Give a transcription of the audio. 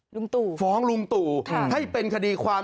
ลุงตู่ฟ้องลุงตู่ให้เป็นคดีความ